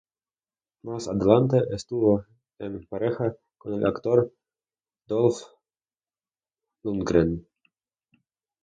Más adelante estuvo en pareja con el actor Dolph Lundgren.